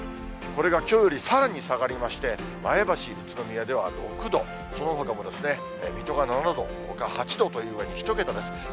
これがきょうよりさらに下がりまして、前橋、宇都宮では６度、そのほかも水戸が７度、ほか８度という具合に、１桁です。